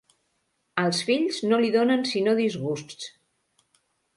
Els fills no li donen sinó disgusts.